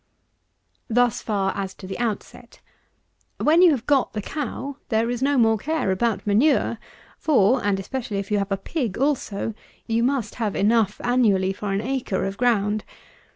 Thus far as to the outset. When you have got the cow, there is no more care about manure; for, and especially if you have a pig also, you must have enough annually for an acre of ground.